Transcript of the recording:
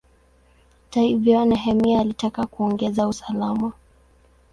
Hata hivyo, Nehemia alitaka kuongeza usalama.